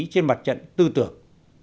trên mặt trận tư tưởng